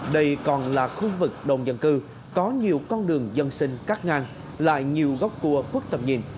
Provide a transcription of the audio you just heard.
đây còn là khu vực đông dân cư có nhiều con đường dân sinh cắt ngang lại nhiều góc cua khuất tầm nhìn